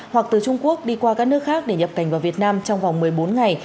hoặc từ trung quốc đi qua các nước khác để nhập cảnh vào việt nam trong vòng một mươi bốn ngày